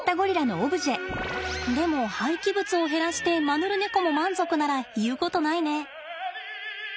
でも廃棄物を減らしてマヌルネコも満足ならいうことないね。